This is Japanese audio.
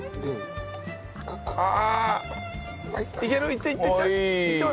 いったいったいった。